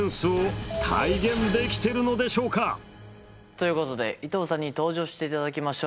ということで伊藤さんに登場していただきましょう。